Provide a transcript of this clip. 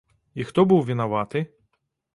І хто быў вінаваты?